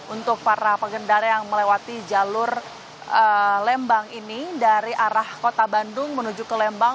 untuk para pengendara yang melewati jalur lembang ini dari arah kota bandung menuju ke lembang